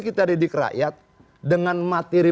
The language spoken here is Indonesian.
kita didik rakyat dengan materi